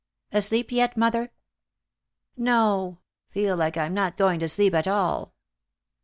"Asleep yet, mother?" "No. Feel like I'm not going to sleep at all."